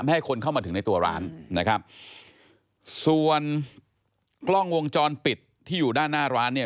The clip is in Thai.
ให้คนเข้ามาถึงในตัวร้านนะครับส่วนกล้องวงจรปิดที่อยู่ด้านหน้าร้านเนี่ย